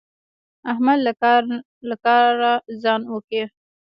احمد له کاره ځان وکيښ.